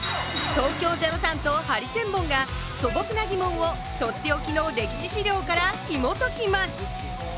東京０３とハリセンボンが素朴な疑問をとっておきの歴史資料からひもときます！